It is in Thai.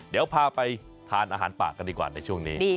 เดี๋ยวพาไปทานอาหารปากกันดีกว่าในช่วงนี้